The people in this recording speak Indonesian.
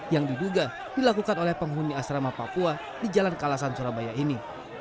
yang diduga dilakukan oleh penghuni asrama papua di jalan kalasan surabaya ini